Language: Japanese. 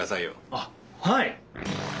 あっはい！